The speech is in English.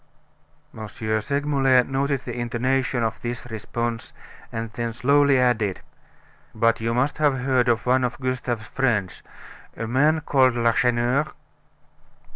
M. Segmuller noted the intonation of this response, and then slowly added: "But you must have heard of one of Gustave's friends, a man called Lacheneur?"